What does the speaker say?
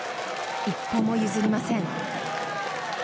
一歩も譲りません。